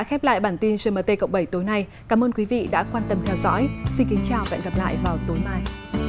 khép lại bản tin gmt cộng bảy tối nay cảm ơn quý vị đã quan tâm theo dõi xin kính chào và hẹn gặp lại vào tối mai